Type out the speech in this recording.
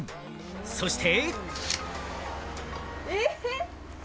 そして。